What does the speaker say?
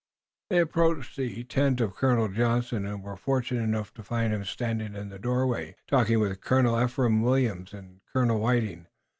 They approached the tent of Colonel Johnson and were fortunate enough to find him standing in the doorway, talking with Colonel Ephraim Williams and Colonel Whiting.